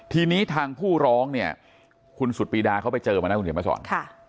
ทีนี้ทางผู้ร้องเนี่ยคุณสุดปีดาเขาไปเจอมานะคุณเขียนมาสอน